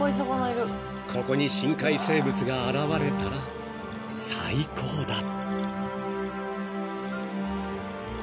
［ここに深海生物が現れたら最高だ］